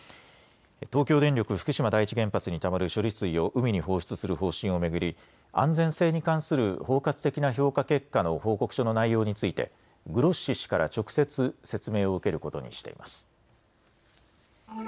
東京電力福島第一原発にたまる処理水を海に放出する方針を巡り安全性に関する包括的な評価結果の報告書の内容についてグロッシ氏から直接説明を受けることにしています。